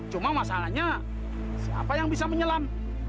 cuma masalahnya siapa yang bisa menyelam